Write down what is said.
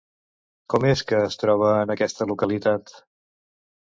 Com és que es troba en aquesta localitat?